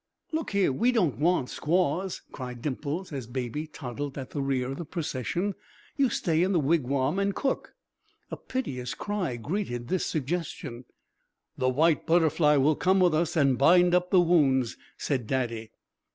"Look here, we don't want squaws," cried Dimples, as Baby toddled at the rear of the procession. "You stay in the wigwam and cook." A piteous cry greeted the suggestion. "The White Butterfly will come with us and bind up the wounds," said Daddy.